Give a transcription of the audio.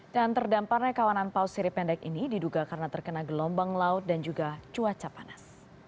dan terdamparnya kawanan paus sirip pendek ini diduga karena terkena gelombang laut dan juga cuaca panas